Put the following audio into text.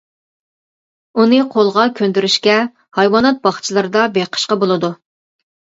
ئۇنى قولغا كۆندۈرۈشكە، ھايۋانات باغچىلىرىدا بېقىشقا بولىدۇ.